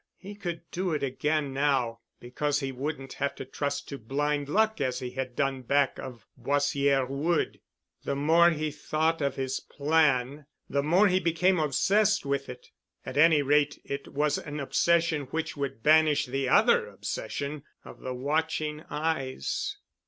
He could do it again now; because he wouldn't have to trust to blind luck as he had done back of Boissière Wood. The more he thought of his plan, the more he became obsessed with it. At any rate it was an obsession which would banish the other obsession of the watching eyes.